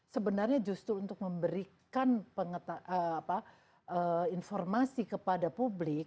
sebenarnya justru untuk memberikan informasi kepada publik